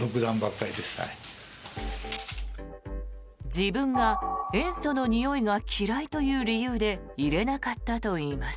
自分が塩素のにおいが嫌いという理由で入れなかったといいます。